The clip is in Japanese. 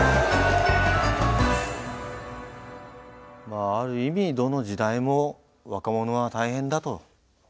まあある意味どの時代も若者は大変だと。